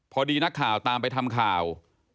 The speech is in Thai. พอดีนักข่าวตามไปทำข่าว